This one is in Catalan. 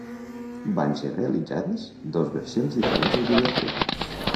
Van ser realitzades dos versions diferents del videoclip.